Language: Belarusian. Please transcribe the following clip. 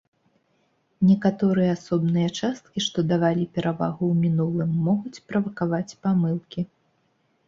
Некаторыя асобныя часткі, што давалі перавагу ў мінулым, могуць правакаваць памылкі.